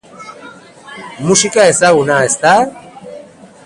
Musika ezaguna, ezta?